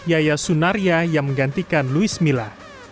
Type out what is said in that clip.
yaya sunaria yang menggantikan luis mila